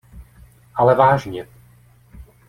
Ale vážně!